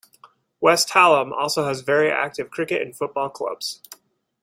West Hallam also has very active Cricket and Football Clubs.